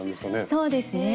そうですね。